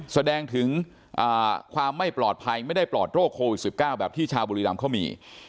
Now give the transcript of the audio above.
แสดงถึงความไม่ปลอดภัยไม่ได้ปลอดโรคโควิด๑๙แบบที่ชาวบุรีรำเขามี